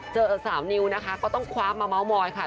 สาวนิวนะคะก็ต้องคว้ามาเม้ามอยค่ะ